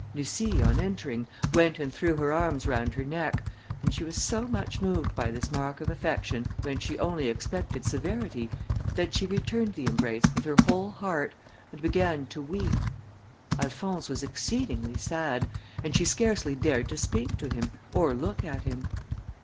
Lucie, on entering, went and threw her arms round her neck, and she was so much moved by this mark of affection, when she only expected severity, that she returned the embrace with her whole heart, and began to weep. Alphonse was exceedingly sad, and she scarcely dared to speak to him, or look at him.